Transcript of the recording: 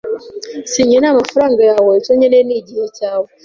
Sinkeneye amafaranga yawe. Icyo nkeneye ni igihe cyawe.